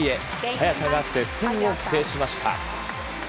早田が接戦を制しました。